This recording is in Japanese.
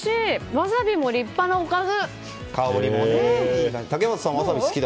わさびも立派なおかず！